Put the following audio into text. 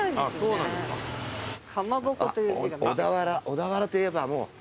小田原といえばもう。